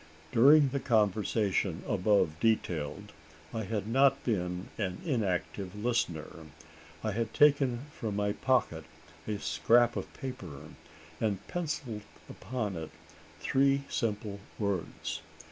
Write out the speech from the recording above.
During the conversation above detailed, I had not been an inactive listener. I had taken from my pocket a scrap of paper, and pencilled upon it three simple words.